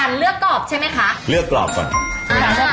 แต่อันนี้คือวิธีการเลือกกรอบใช่ไหมคะ